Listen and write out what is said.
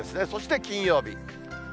そして金曜日。